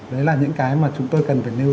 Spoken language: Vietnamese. đấy là những cái mà chúng tôi cần phải nêu